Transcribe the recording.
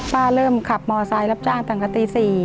ป้าเริ่มขับมไซล์รับจ้างจากกันที่สี่